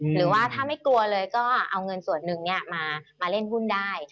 หรือว่าถ้าไม่กลัวเลยก็เอาเงินส่วนหนึ่งมาเล่นหุ้นได้